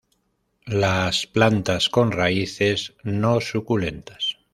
Las plantas con raíces, no suculentas.